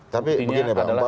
tapi begini pak